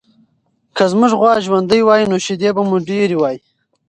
که زموږ غوا ژوندۍ وای، نو شیدې به مو ډېرې وای.